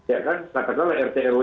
ya kan katakan kalau rtro